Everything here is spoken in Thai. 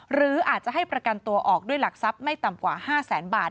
หรืออาจจะให้ประกันตัวออกด้วยหลักทรัพย์ไม่ต่ำกว่า๕แสนบาท